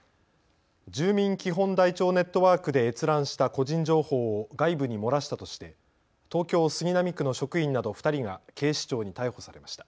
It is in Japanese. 住民基本台帳ネットワークで閲覧した個人情報を外部に漏らしたとして東京杉並区の職員など２人が警視庁に逮捕されました。